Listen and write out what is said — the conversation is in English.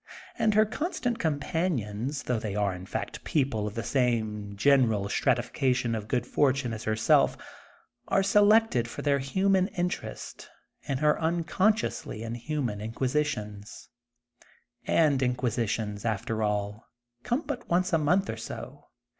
And her constant companions, though 'they are in fact people of the same general stratifi cation of good fortune as herself are selected J THE GOLDEN BOOK OF SPRfj^GFIELD 9 for their hmnan interest in her nnconsoionsly inhrnnan inquisitions. And inquisitions, after ally come but once a month or so.